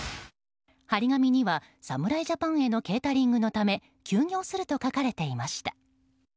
貼り紙には、侍ジャパンへのケータリングのため休業すると書かれていました。